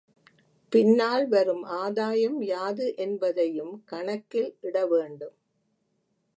பின்னால் வரும் ஆதாயம் யாது என்பதையும் கணக்கில் இட வேண்டும்.